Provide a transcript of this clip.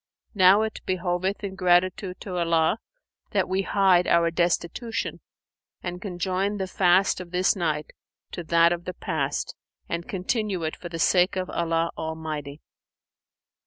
Now it behoveth in gratitude to Allah, that we hide our destitution and conjoin the fast of this night to that of the past and continue it for the sake of Allah Almighty."